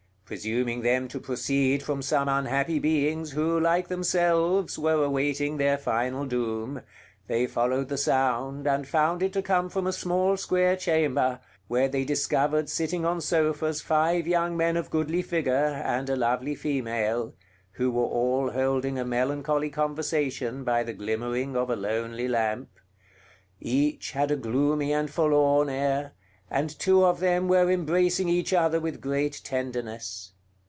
Presuming them to proceed from some unhappy beings who, like themselves, were awaiting their final doom, they followed the sound, and found it to come from a small square chamber, where they discovered sitting on sofas five young men of goodly figure, and a lovely female, who were all holding a melancholy conversation by the glimmering of a lonely lamp; each had a gloomy and forlorn air, and two of them were embracing each other with great tenderness.